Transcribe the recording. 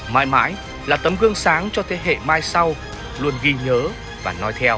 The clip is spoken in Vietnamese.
mãi mãi là tấm gương sáng cho thế hệ mai sau luôn ghi nhớ và nói theo